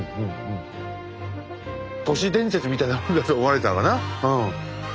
都市伝説みたいなものだと思われたのかなうん。